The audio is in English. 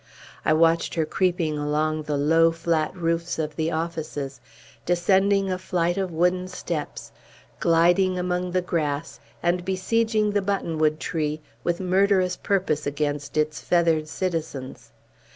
I watched her creeping along the low, flat roofs of the offices, descending a flight of wooden steps, gliding among the grass, and besieging the buttonwood tree, with murderous purpose against its feathered citizens.